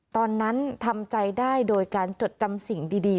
ตอนนั้นทำใจได้โดยการจดจำสิ่งดี